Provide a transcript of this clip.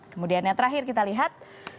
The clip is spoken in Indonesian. kemudian yang terakhir kita lihat